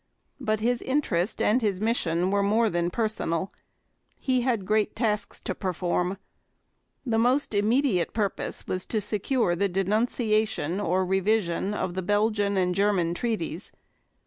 But his interest and his mission were more than personal. He had great tasks to perform. The most immediate purpose was to secure the denunciation or revision of the Belgian and German treaties.